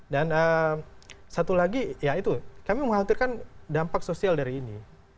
dan satu lagi kami menghantarkan dampak sosial dari ini